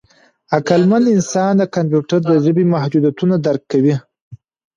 عقلمن انسان د کمپیوټر د ژبې محدودیتونه درک کوي.